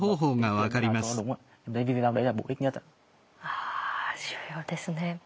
あ重要ですね。